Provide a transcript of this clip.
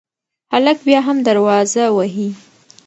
هلک بیا هم دروازه وهي.